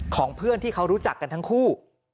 ของเพื่อนที่เขารู้จักกันทั้งคู่